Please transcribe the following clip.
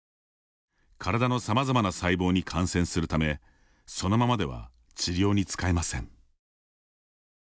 体のさまざまな細胞に感染するためそのままでは治療に使えません。